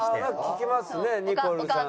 聞きますねニコルさん。